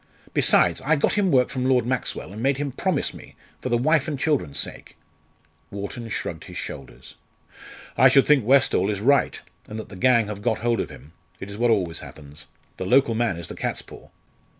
Besides, I got him work from Lord Maxwell, and made him promise me for the wife and children's sake." Wharton shrugged his shoulders. "I should think Westall is right, and that the gang have got hold of him. It is what always happens. The local man is the catspaw.